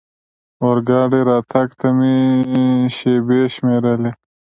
اورګاډي راتګ ته مې شېبې شمېرلې.